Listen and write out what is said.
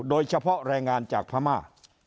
โดยเฉพาะแรงงานจากพม่า